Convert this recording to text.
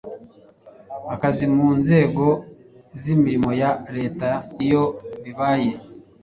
akazi mu nzego z imirimo ya Leta iyo bibaye